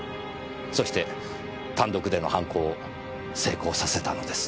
そして単独での犯行を成功させたのです。